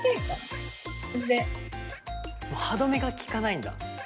歯止めがきかないんだ。